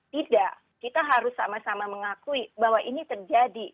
tidak kita harus sama sama mengakui bahwa ini terjadi